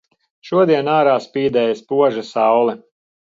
Šodien ārā spīdēja spoža saule.